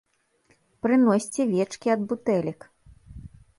Прыносьце вечкі ад бутэлек!